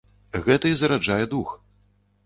Гэта і зараджае дух.